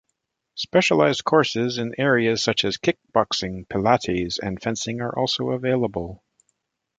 Specialized courses in areas such as kickboxing, pilates, and fencing are also available.